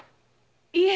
いえ！